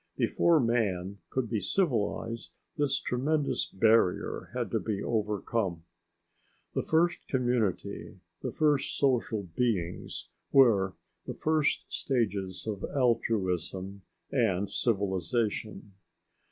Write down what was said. Before man could be civilised this tremendous barrier had to be overcome. The first community, the first social beings, were the first stages of altruism and civilization.